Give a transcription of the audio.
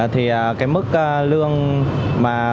thì cái mức lương mà